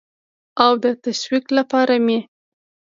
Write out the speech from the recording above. او د تشویق لپاره مې